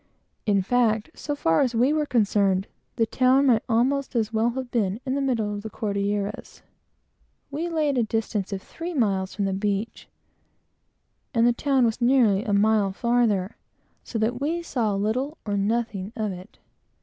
In fact, so far as we were concerned, the town might almost as well have been in the middle of the Cordilleras. We lay at a distance of three miles from the beach, and the town was nearly a mile farther; so that we saw little or nothing of it.